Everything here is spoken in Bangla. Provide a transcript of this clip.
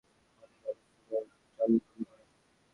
প্রায় ত্রিশ বৎসর পূর্বে তিনি কলিকাতায় জন্মগ্রহণ করেন।